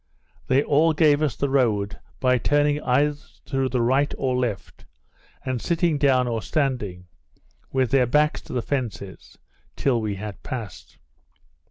They all gave us the road, by turning either to the right or left, and sitting down or standing, with their backs to the fences, till we had passed.